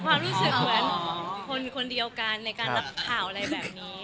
ความรู้สึกเหมือนคนคนเดียวกันในการรับข่าวอะไรแบบนี้